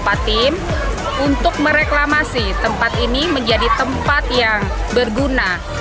beberapa tim untuk mereklamasi tempat ini menjadi tempat yang berguna